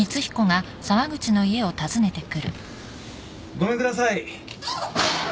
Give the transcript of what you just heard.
ごめんください。